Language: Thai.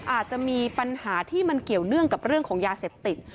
อาจจะมีปัญหาที่มันเกี่ยวเนื่องกับเรื่องของยาเสพติด